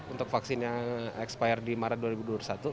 untuk vaksin yang expire di maret dua ribu dua puluh satu